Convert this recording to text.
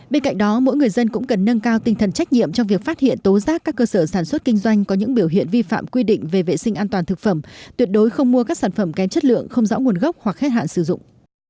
bên cạnh đó mỗi người dân cũng cần nâng cao tinh thần trách nhiệm trong việc phát hiện tố rác các cơ sở sản xuất kinh doanh có những biểu hiện vi phạm quy định về vệ sinh an toàn thực phẩm tuyệt đối không mua các sản phẩm kém chất lượng không rõ nguồn gốc hoặc hết hạn sử dụng